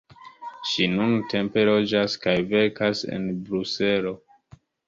Ŝi nuntempe loĝas kaj verkas en Bruselo.